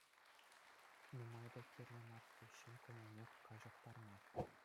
Нумай та кирлӗ мар-ҫке ҫын кӑмӑлне каҫӑхтарма!